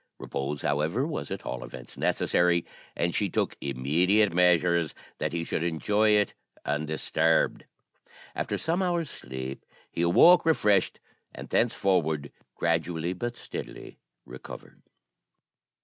Repose, however, was at all events necessary, and she took immediate measures that he should enjoy it undisturbed. After some hours' sleep, he awoke refreshed, and thenceforward gradually but steadily recovered.